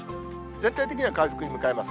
全体的には回復に向かいます。